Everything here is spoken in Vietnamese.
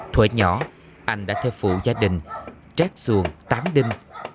thuổi nhỏ anh đã theo phụ gia đình trét xuồng tám đinh